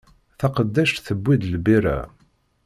Taqeddact tewwi-d lbira.